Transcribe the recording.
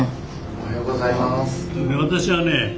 おはようございます。